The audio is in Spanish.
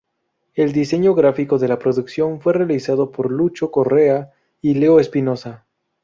El diseño gráfico de la producción fue realizado por Lucho Correa y Leo Espinosa.